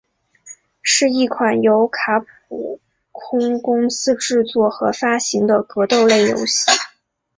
是一款由卡普空公司制作和发行的格斗类游戏。